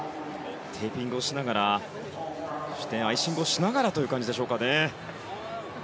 テーピングをしながらそしてアイシングをしながらという感じでしょうかね。